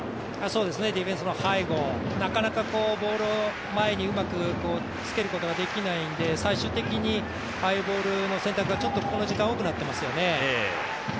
ディフェンスの背後、なかなかボールを前にうまくつけることができないので最終的にああいうボールの選択が、多くなってますよね。